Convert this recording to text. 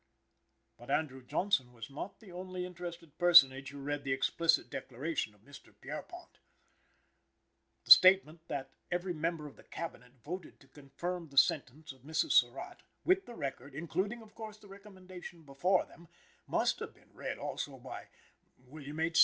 But Andrew Johnson was not the only interested personage who read the explicit declaration of Mr. Pierrepont. The statement that every member of the Cabinet voted to confirm the sentence of Mrs. Surratt, with the record, including, of course, the recommendation, before them, must have been read also by William H.